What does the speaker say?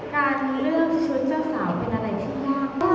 การเลือกชุดเจ้าสาวเป็นอะไรที่ยากมาก